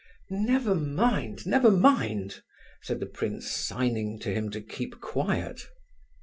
"Never mind, never mind," said the prince, signing to him to keep quiet.